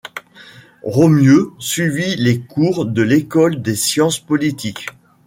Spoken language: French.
Romieu suivit les cours de l’École des Sciences Politiques.